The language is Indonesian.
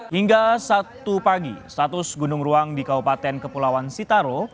hingga sabtu pagi status gunung ruang di kabupaten kepulauan sitaro